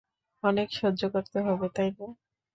অনেক সহ্য করতে হবে, তাই না?